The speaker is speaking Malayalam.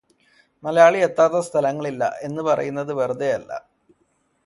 മലയാളി എത്താത്ത സ്ഥലങ്ങൾ ഇല്ല എന്ന് പറയുന്നത് വെറുതെയല്ല